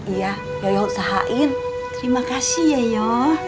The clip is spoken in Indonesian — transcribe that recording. iya yoyo usahain terima kasih yoyo